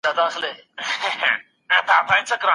ما مخکي کار کړی و.